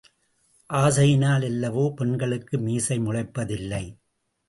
ஆசையினால் அல்லவோ பெண்களுக்கு மீசை முளைப்ப தில்லை?